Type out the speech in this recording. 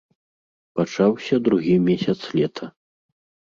Пачаўся другі месяц лета.